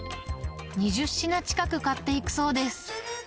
２０品近く買っていくそうです。